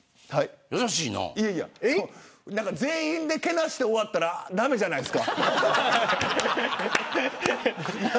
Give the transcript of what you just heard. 全員でけなして終わったら駄目じゃないですか。